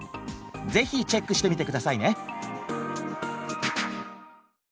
ぜひチェックしてみて下さいね。